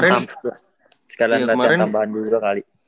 sekarang latihan tambahan dulu dua kali